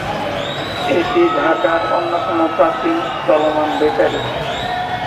এটি ঢাকার অন্যতম প্রাচীন চলমান বেকারি।